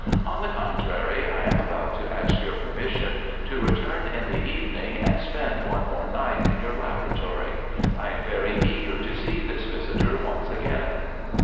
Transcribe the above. On the contrary, I am about to ask your permission to return in the evening and spend one more night in your laboratory. I am very eager to see this visitor once again."